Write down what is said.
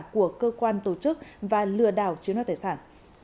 của cơ quan tổ chức và lừa đảo chiếu năng tài sản